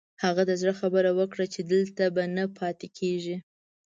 هغه د زړه خبره وکړه چې دلته به نه پاتې کېږي.